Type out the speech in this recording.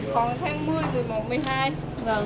khoảng tháng một mươi một mươi một một mươi hai